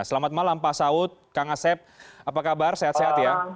selamat malam pak saud kang asep apa kabar sehat sehat ya